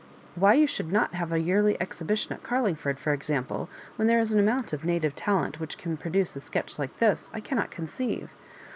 Why you should not have a yearly exhibition at Oarlingford, for example, when there is an amount of native talent which can produce a sketch like this, I cannot conceive.